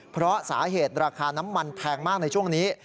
เพราะสาเหตุราคาน้ำมันแพงมากในช่วงนี้